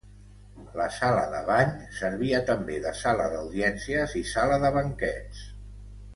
La sala de bany servia també de sala d'audiències i sala de banquets.